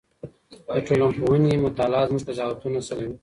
د ټولنپوهنې مطالعه زموږ قضاوتونه سموي.